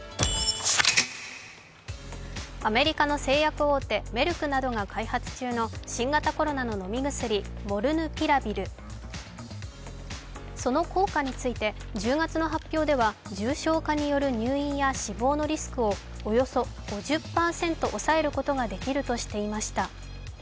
アメリカの製薬大手メルクなどが開発中の新型コロナの飲み薬・モルヌピラビルその効果について、１０月の発表では重症化による入院や死亡のリスクをおよそ５０％抑えることができるとしていました。